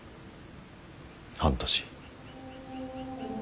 半年。